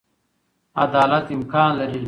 عدالت امکان لري.